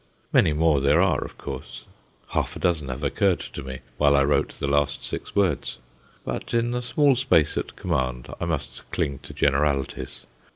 Many more there are, of course half a dozen have occurred to me while I wrote the last six words but in the small space at command I must cling to generalities.